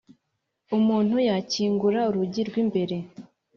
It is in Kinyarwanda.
umuntu yakingura urugi rw'imbere